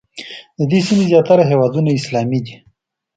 د دې سیمې زیاتره هېوادونه اسلامي دي.